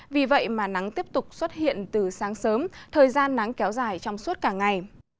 vì vậy mà nắng tiếp tục xuất hiện từ sáng sớm thời gian nắng kéo dài trong suốt cả ngày